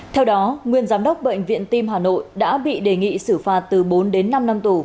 theo đó nguyên giám đốc bệnh viện tim hà nội đã bị đề nghị xử phạt từ bốn đến năm năm tù